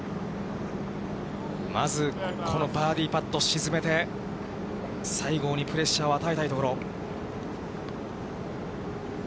まずこのバーディーパットを沈めて、西郷にプレッシャーを与えたいところ。